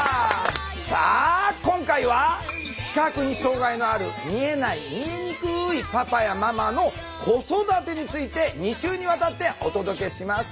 さあ今回は視覚に障害のある見えない見えにくいパパやママの子育てについて２週にわたってお届けします。